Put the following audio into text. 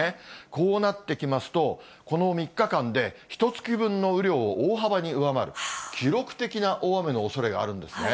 こうなってきますと、この３日間で、ひとつき分の雨量を大幅に上回る、記録的な大雨のおそれがあるんですね。